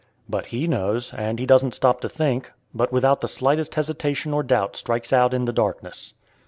But he knows, and he doesn't stop to think, but without the slightest hesitation or doubt strikes out in the darkness.